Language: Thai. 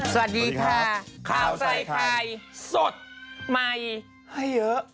สวัสดีค่ะข้าวใส่ไข่สดใหม่ให้เยอะ